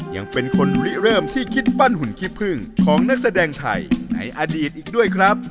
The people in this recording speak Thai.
ยังเป็นคนริเริ่มที่คิดปั้นหุ่นขี้พึ่งของนักแสดงไทยในอดีตอีกด้วยครับ